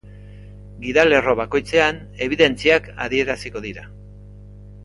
Gidalerro bakoitzean ebidentziak adieraziko dira.